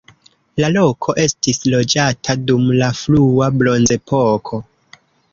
La loko estis loĝata dum la frua bronzepoko.